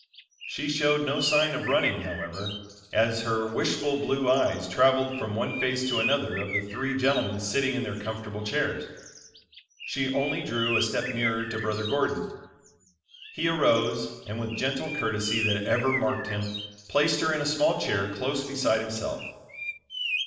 She showed no sign of running however, as her wistful blue eyes traveled from one face to another of the three gentlemen sitting in their comfortable chairs; she only drew a step nearer to Brother Gordon. He arose, and with gentle courtesy that ever marked him, placed her in a small chair close beside himself.